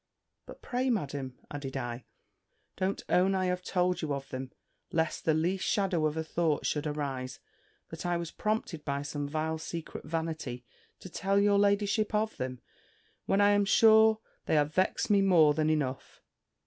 But pray, Madam," added I, "don't own I have told you of them, lest the least shadow of a thought should arise, that I was prompted by some vile secret vanity, to tell your ladyship of them, when I am sure, they have vexed me more than enough.